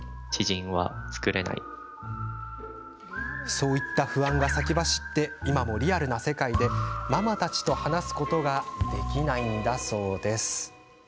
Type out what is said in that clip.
そういった不安が先走って今もリアルな世界でママたちと話すことができないんだそうです。